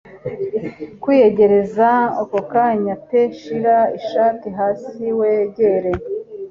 Kwiyegereza ako kanya pe shira ishati hasi wegere